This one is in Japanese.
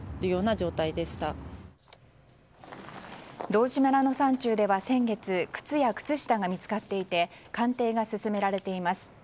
道志村の山中では、先月靴や靴下が見つかっていて鑑定が進められています。